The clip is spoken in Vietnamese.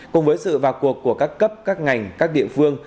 cùng với sự vào cuộc của các cấp các ngành các địa phương